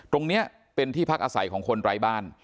ตรงนี้เป็นที่พักอาศัยของคนไร้บ้าน